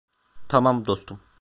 Tamam, dostum.